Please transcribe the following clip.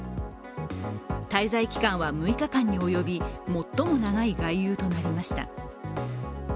滞在期間は６日間に及び、最も長い外遊となりました。